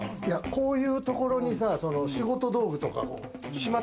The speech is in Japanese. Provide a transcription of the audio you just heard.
こういうところにさ、仕事道具とか、しまっ